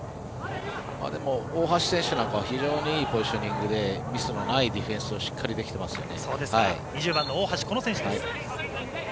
大橋選手なんかは非常にいいポジショニングでミスのないディフェンスがしっかりできてますよね。